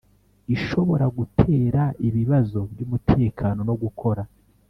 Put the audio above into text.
ishobora gutera ibibazo by umutekano no gukora